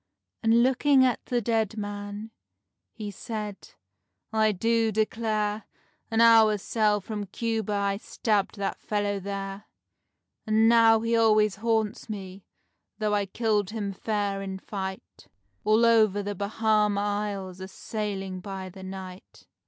And looking at the dead man, he said: "I do declare! An hour's sail from Cuba I stabbed that fellow there. And now he always haunts me, though I killed him fair, in fight, All over the Bahama Isles a sailing by the night."